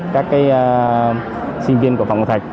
các sinh viên của phạm ngọc thạch